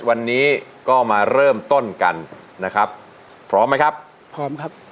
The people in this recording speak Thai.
วันนี้ก็มาเริ่มต้นกันนะครับพร้อมไหมครับพร้อมครับ